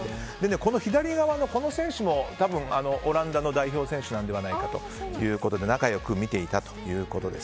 この左側の選手も多分、オランダの代表選手なのではないかということで仲良く見ていたと。